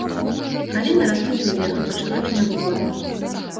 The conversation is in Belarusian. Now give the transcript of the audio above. Галіны растуць ўверх пад шырокімі вугламі.